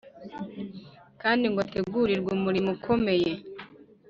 kandi ngo ategurirwe umurimo ukomeye